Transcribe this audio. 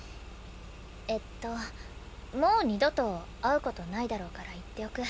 えっともう二度と会う事ないだろうから言っておく。